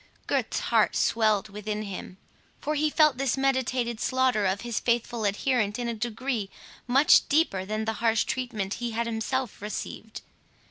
Gurth's heart swelled within him; for he felt this meditated slaughter of his faithful adherent in a degree much deeper than the harsh treatment he had himself received.